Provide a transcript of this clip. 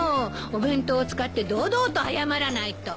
お弁当を使って堂々と謝らないと。